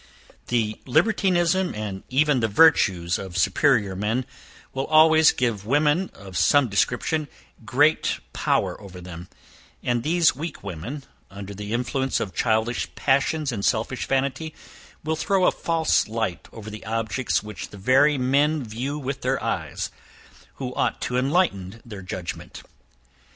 The libertinism, and even the virtues of superior men, will always give women, of some description, great power over them; and these weak women, under the influence of childish passions and selfish vanity, will throw a false light over the objects which the very men view with their eyes, who ought to enlighten their judgment.